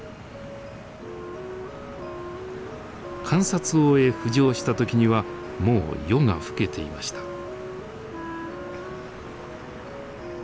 観察を終え浮上した時にはもう夜が更けていました。